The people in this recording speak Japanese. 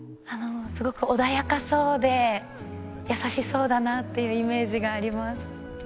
すごく穏やかそうで優しそうだなっていうイメージがあります。